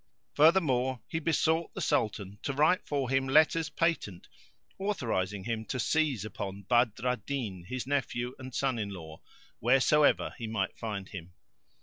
Furthermore, he besought the Sultan to write for him letters patent, authorising him to seize upon Badr al Din, his nephew and son in law, wheresoever he might find him.